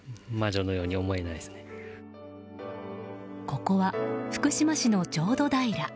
ここは、福島市の浄土平。